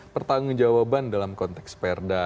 pertanggung jawaban dalam konteks perda